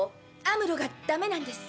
アムロがダメなんです。